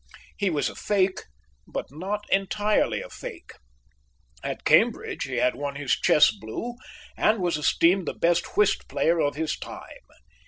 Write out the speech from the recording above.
He was a fake, but not entirely a fake. At Cambridge he had won his chess blue and was esteemed the best whist player of his time.